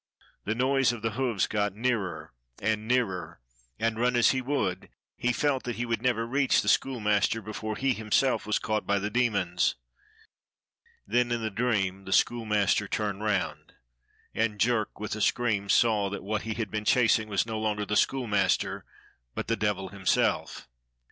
The noise of the hoofs got nearer and nearer, and run as he would, he felt that he would never reach the schoolmaster before he himself was caught by the demons. Then in the dream the schoolmaster turned round, and Jerk with a scream saw that what he had been chasing was no longer the schoolmaster but the devil himself.